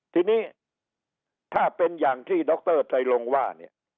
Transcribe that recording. ทีนี้ถ้าเป็นอย่างที่ดรไตรงว่า